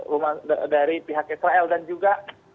rumah dari pihak israel dan juga